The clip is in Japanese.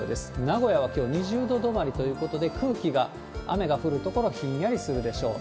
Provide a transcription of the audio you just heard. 名古屋はきょう２０度止まりということで、空気が雨が降る所、ひんやりするでしょう。